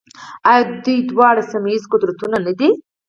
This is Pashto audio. آیا دوی دواړه سیمه ییز قدرتونه نه دي؟